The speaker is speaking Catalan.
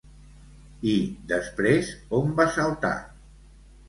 I després on va saltar?